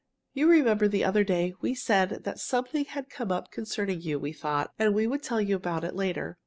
You remember, the other day, we said that something had come up concerning you, we thought, and we would tell you about it later.